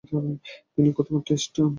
কতক্ষণ, টেস?